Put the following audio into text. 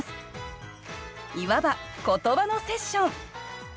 いわば言葉のセッション。